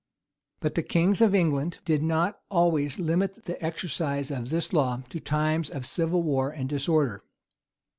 But the kings of England did not always limit the exercise of this law to times of civil war and disorder.